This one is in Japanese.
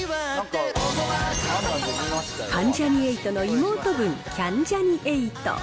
関ジャニ∞の妹分、キャンジャニ∞。